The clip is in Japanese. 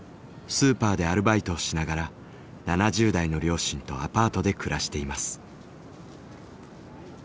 スーパーでアルバイトをしながら７０代の両親とアパートで暮らしています。